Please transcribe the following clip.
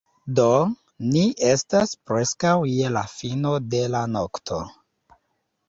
Do, ni estas preskaŭ je la fino de la nokto